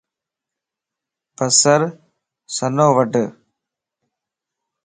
بسر سنووڍ